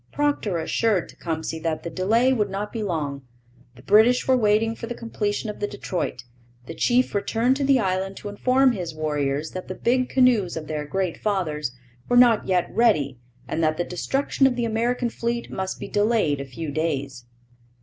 Procter assured Tecumseh that the delay would not be long; the British were waiting for the completion of the Detroit. The chief returned to the island to inform his warriors that the big canoes of their great fathers were not yet ready and that the destruction of the American fleet must be delayed a few days.